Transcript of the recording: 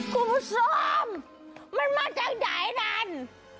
คุณพ่อส้มมันมาจากไหนนั่น